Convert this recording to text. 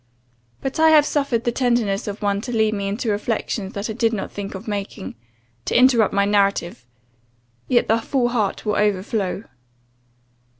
But I have suffered the tenderness of one to lead me into reflections that I did not think of making, to interrupt my narrative yet the full heart will overflow.